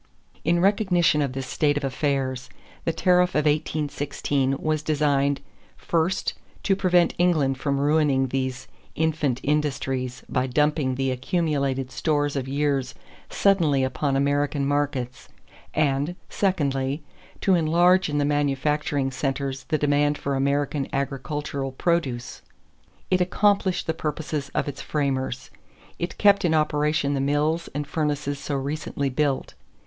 In recognition of this state of affairs, the tariff of 1816 was designed: first, to prevent England from ruining these "infant industries" by dumping the accumulated stores of years suddenly upon American markets; and, secondly, to enlarge in the manufacturing centers the demand for American agricultural produce. It accomplished the purposes of its framers. It kept in operation the mills and furnaces so recently built.